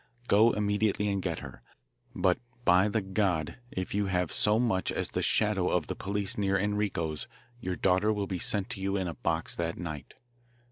Go immediately and get her. But, by the God, if you have so much as the shadow of the police near Enrico's your daughter will be sent to you in a box that night.